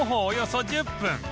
およそ１０分